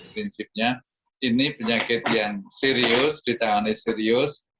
prinsipnya ini penyakit yang serius ditangani serius